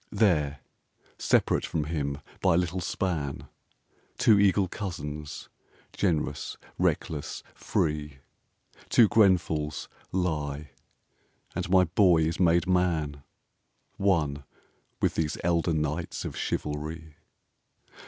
There, separate from him by a little span, Two eagle cousins, generous, reckless, free, Two Grenfells, lie, and my Boy is made man, One with these elder knights of chivalry.